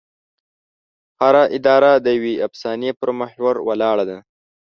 هره اداره د یوې افسانې پر محور ولاړه ده.